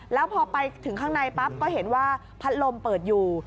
แล้วพอไปถึงข้างในปั๊บก็เห็นว่าพัดลมเปิดอยู่